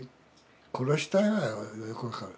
「殺したい」はよく分かる。